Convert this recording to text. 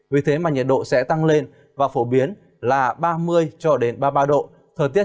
vì thế mà nhiệt độ sẽ tăng lên và phổ biến là ba mươi cho đến ba mươi ba độ thời tiết trên khu vực sẽ tôn lên